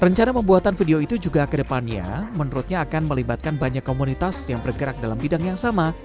rencana pembuatan video itu juga kedepannya menurutnya akan melibatkan banyak komunitas yang bergerak dalam bidang yang sama